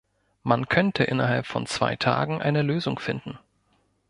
Man könnte innerhalb von zwei Tagen eine Lösung finden.